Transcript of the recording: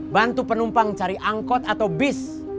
bantu penumpang cari angkot atau bis